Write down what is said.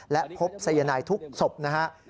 และพบสายนายทุกศพนะฮะ